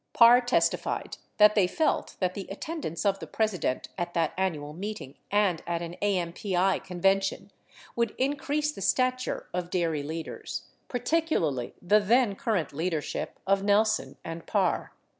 93 Parr testified that they felt that the attendance of the President at that annual meeting and at an A MPT convention would increase the stature of dairy leaders — particularly the then cur rent leadership of Nelson and Parr.